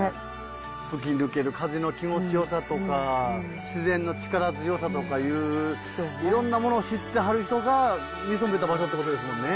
吹き抜ける風の気持ちよさとか自然の力強さとかいういろんなものを知ってはる人が見初めた場所ってことですもんね。